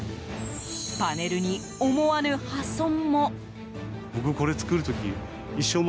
パネルに思わぬ破損も。